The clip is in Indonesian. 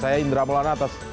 saya indra molaunatos